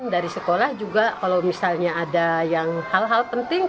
dari sekolah juga kalau misalnya ada yang hal hal penting